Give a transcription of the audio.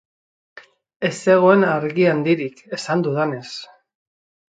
Ez zegoen argi handirik, esan dudanez.